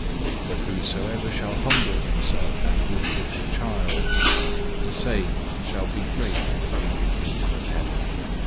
But whosoever shall humble himself as this little child, the same shall be greatest in the Kingdom of Heaven_."